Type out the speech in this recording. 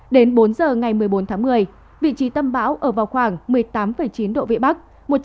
đến bốn giờ ngày một mươi bốn tháng một mươi vị trí tâm bão ở vào khoảng một mươi tám chín độ vĩ bắc